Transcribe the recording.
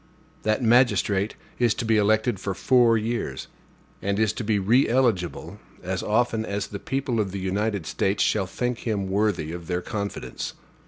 That magistrate is to be elected for four years; and is to be re eligible as often as the people of the United States shall think him worthy of their confidence.